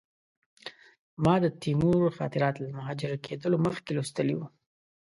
ما د تیمور خاطرات له مهاجر کېدلو مخکې لوستي وو.